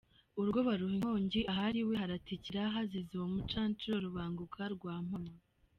Urugo baruha inkongi, ahari iwe haratikira hazize uwo mucanshuro Rubanguka rwa Mpama.